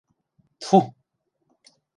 Тфу!